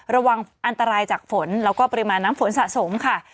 ระวังอันตรายจากฝนแล้วก็ปริมาณน้ำฝนสะสมค่ะ